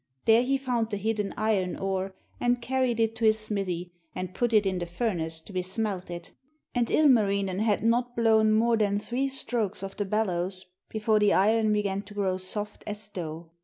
There he found the hidden iron ore, and carried it to his smithy and put it in the furnace to be smelted. And Ilmarinen had not blown more than three strokes of the bellows before the iron began to grow soft as dough.